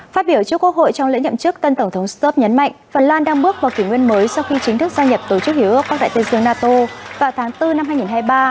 phát biểu trước quốc hội trong lễ nhậm chức tân tổng thống stub nhấn mạnh phần lan đang bước vào kỷ nguyên mới sau khi chính thức gia nhập tổ chức hiểu ước bắc đại tây dương nato vào tháng bốn năm hai nghìn hai mươi ba